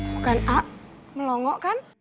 tuh kan a melongo kan